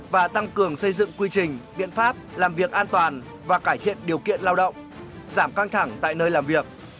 và tăng cường xây dựng quy trình biện pháp làm việc an toàn và cải thiện điều kiện lao động giảm căng thẳng tại nơi làm việc